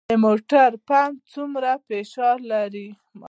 د موټر پمپ څومره فشار لري؟